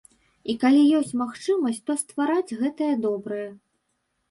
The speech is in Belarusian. І калі ёсць магчымасць, то ствараць гэтае добрае.